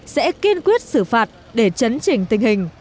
sẽ kiên quyết xử phạt để chấn chỉnh tình hình